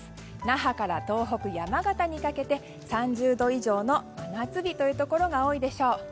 那覇から東北、山形にかけて３０度以上の真夏日というところ多いでしょう。